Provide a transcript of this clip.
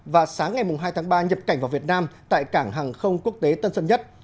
và sáng ngày hai tháng ba nhập cảnh vào việt nam tại cảng hàng không quốc tế tân sơn nhất